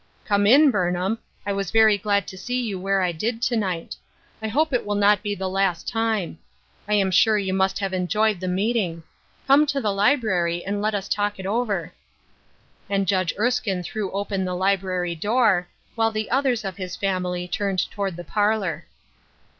" Come in, Burnham. I was very glad to see you where I did to night. I hope it will not be the last time. I am sure you must have enjoyed the meeting. Come to the library and let us talk it over." And Judge Erskine threw open the library door, while the others of his family turned toward the parlor.